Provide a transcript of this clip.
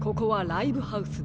ライブハウス？